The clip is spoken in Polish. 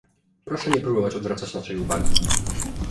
Proszę nie próbować odwracać naszej uwagi